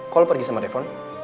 kok lo pergi sama devon